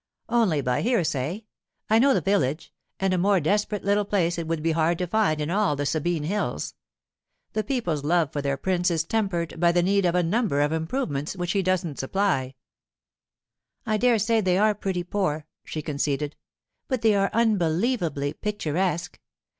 'Only by hearsay. I know the village; and a more desperate little place it would be hard to find in all the Sabine hills. The people's love for their prince is tempered by the need of a number of improvements which he doesn't supply.' 'I dare say they are pretty poor,' she conceded; 'but they are unbelievably picturesque!